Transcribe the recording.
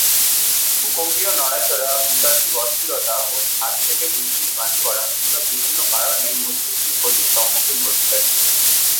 ভূকম্পীয় নড়াচড়া, ভূতাত্ত্বিক অস্থিরতা ও ছাদ থেকে বৃষ্টির পানি পড়া এসব বিভিন্ন কারণে মসজিদটি ক্ষতির সম্মুখীন হচ্ছে।